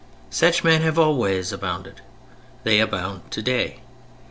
Such men have always abounded; they abound today.